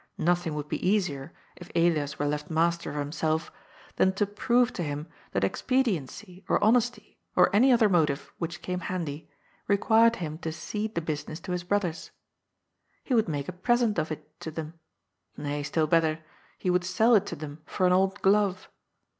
!N'othing would be easier, if Elias were left master of himself, than to prove to him that expediency or honesty or any other motive which came handy required him to cede the business to his brothers. He would make a present of it to them ; nay, still better, he would sell it to them for an old glove.